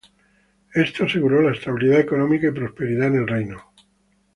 Esto aseguró la estabilidad económica y prosperidad en el reino.